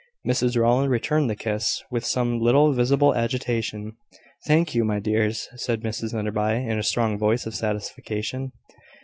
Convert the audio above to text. Mrs Rowland returned the kiss, with some little visible agitation. "Thank you, my dears!" said Mrs Enderby, in a strong voice of satisfaction.